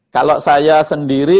kalau saya sendiri